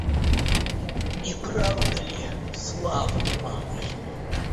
Неправда ли, славный малый?